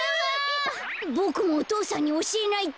ボクもお父さんにおしえないと。